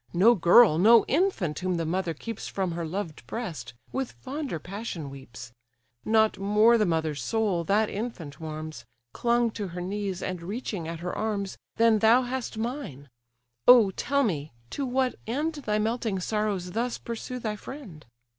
No girl, no infant whom the mother keeps From her loved breast, with fonder passion weeps; Not more the mother's soul, that infant warms, Clung to her knees, and reaching at her arms, Than thou hast mine! Oh tell me, to what end Thy melting sorrows thus pursue thy friend?